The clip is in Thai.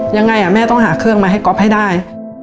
ยังไงแม่ต้องหาเครื่องมาให้ก๊อฟให้ได้